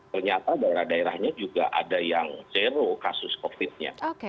ternyata daerah daerahnya juga ada yang zero kasus covid nya